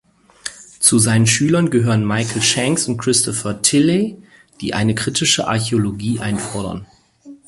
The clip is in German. Zu seinen Schülern gehören Michael Shanks und Christopher Tilley, die eine kritische Archäologie einfordern.